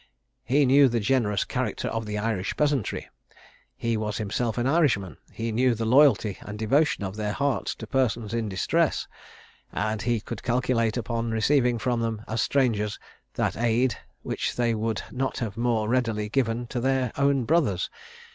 He knew the generous character of the Irish peasantry. He was himself an Irishman; he knew the loyalty and devotion of their hearts to persons in distress; and he could calculate upon receiving from them, as strangers, that aid which they would not have more readily given to their own brothers.